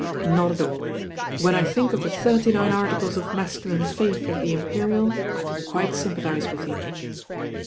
"Not at aU. When I think of the Thirty Nine Articles of Masculine Faith at the Imperial I can quite sympathise with you."